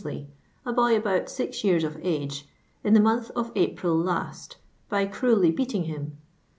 "'l"y, a boy about tXx years of age, in the iniuith of Apiil last, by cruelly beating him.